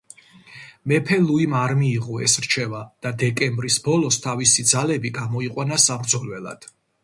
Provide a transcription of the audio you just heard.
მეფე ლუიმ არ მიიღო ეს რჩევა და დეკემბრის ბოლოს თავისი ძალები გამოიყვანა საბრძოლველად.